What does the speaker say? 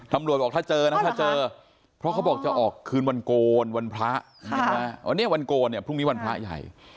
บอกถ้าเจอนะถ้าเจอเพราะเขาบอกจะออกคืนวันโกนวันพระวันนี้วันโกนเนี่ยพรุ่งนี้วันพระใหญ่